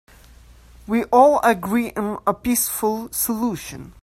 We all agree on a peaceful solution.